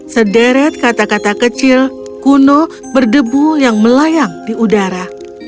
sederet kata kata kecil kuno berdebu yang melayang di udara